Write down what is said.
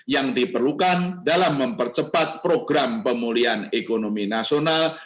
yang diperlukan dalam mempercepat program pemulihan ekonomi nasional